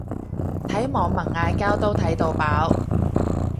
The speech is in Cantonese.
睇網民嗌交都睇到飽